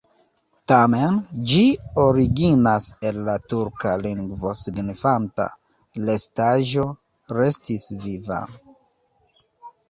Tamen ĝi originas el la turka lingvo signifanta: restaĵo, restis viva.